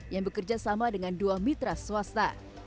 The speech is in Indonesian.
yang bekerja sama dengan dua mitra swasta